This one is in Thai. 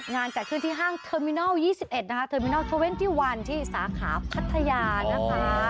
งานจัดขึ้นที่ห้างเทอร์มินัล๒๑นะคะเทอร์มินัล๒๑ที่สาขาพัทยานะคะ